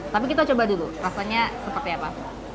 tapi kita coba dulu rasanya seperti apa